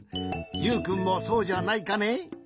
ユウくんもそうじゃないかね？